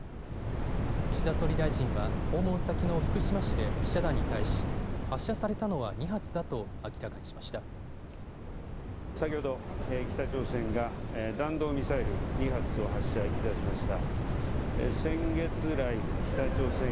岸田総理大臣は訪問先の福島市で記者団に対し発射されたのは２発だと明らかにしました。